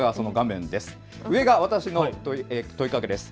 上が私の問いかけです。